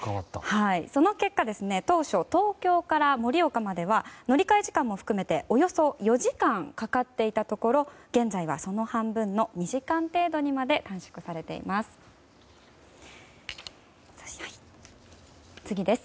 その結果、当初東京から盛岡までは乗り換え時間も含めておよそ４時間かかっていたところ現在はその半分の２時間程度にまで短縮されています。